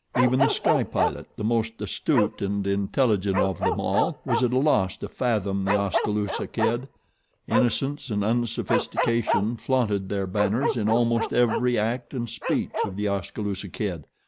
Even The Sky Pilot, the most astute and intelligent of them all, was at a loss to fathom The Oskaloosa Kid. Innocence and unsophistication flaunted their banners in almost every act and speech of The Oskaloosa Kid.